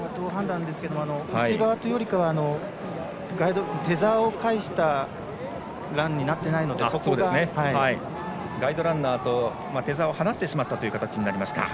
内側というよりかはテザーを介したランになっていないのでガイドランナーとテザーを放してしまった形になりました。